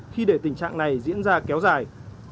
khi để tình trạng này diễn ra kéo dài